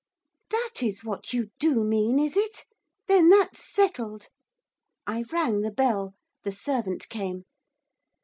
'That is what you do mean, is it? Then that's settled.' I rang the bell. The servant came.